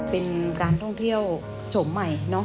เป็นการท่องเที่ยวชมใหม่